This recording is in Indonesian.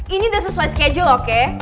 ini udah sesuai schedule oke